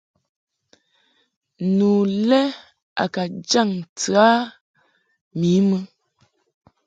Nu le a ka jaŋ ntɨ a mi mɨ.